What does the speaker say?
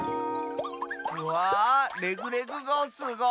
うわレグレグごうすごい！